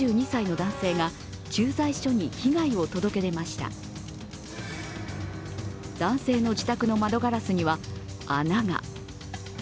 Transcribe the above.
男性の自宅の窓ガラスには穴が。